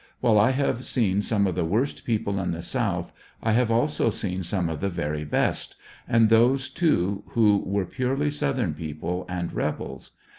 While I have seen some of the worst people in the South, I have also seen some of the very best, and those, too, who w^ere purely southern people and rebels.